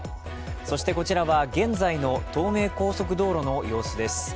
そしてこちらは現在の東名高速道路の様子です。